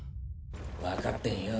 わかってんよ。